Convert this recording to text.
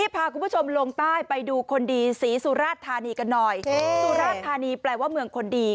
พาคุณผู้ชมลงใต้ไปดูคนดีศรีสุราชธานีกันหน่อยสุราชธานีแปลว่าเมืองคนดี